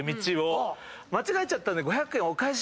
「間違えちゃったんで」